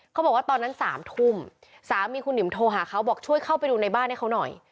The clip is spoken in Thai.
เขาบอกว่าตอนนั้น๓ทุ่มสามีคุณหิมโทรหาเขาบอกช่วยเข้าไปดูในบ้านให้เขาหน่อย